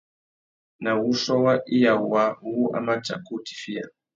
Na wuchiô wa iya waā wu a mà tsaka utifiya.